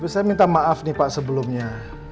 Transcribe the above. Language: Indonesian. saya minta maaf nih pak sebelumnya